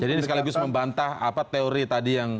jadi ini sekaligus membantah apa teori tadi yang